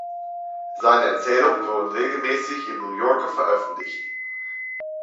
Seine Erzählungen wurden regelmäßig im New Yorker veröffentlicht.